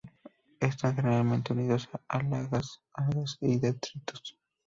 Están generalmente unidos a algas y detritus.